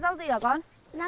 thật quá lạnh quá